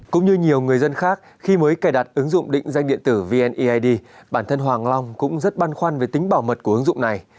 cũng như nhiều người dân khác khi mới cài đặt ứng dụng định danh điện tử vneid bản thân hoàng long cũng rất băn khoăn về tính bảo mật của ứng dụng này